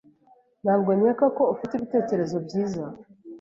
Ntabwo nkeka ko ufite ibitekerezo byiza.